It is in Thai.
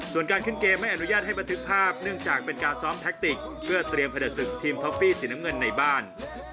ส่วนการขึ้นเกมไม่อนุญาตให้บันทึกภาพเนื่องจากเป็นการซ้อมแท็กติกเพื่อเตรียมผลิตศึกทีมท็อฟฟี่สีน้ำเงินในบ้าน